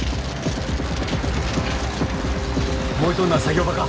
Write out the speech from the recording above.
燃えとんのは作業場か。